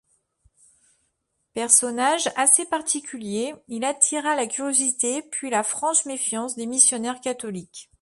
Personnage assez particulier, il attira la curiosité puis la franche méfiance des missionnaires catholiques.